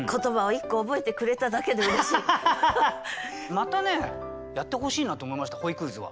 またやってほしいなと思いました本意クイズは。